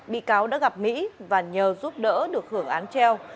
bị cáo đã gặp mỹ và nhờ giúp đỡ được hưởng án treo